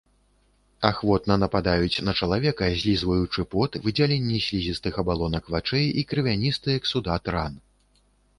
Ахвотна нападаюць на чалавека, злізваючы пот, выдзяленні слізістых абалонак вачэй і крывяністы эксудат ран.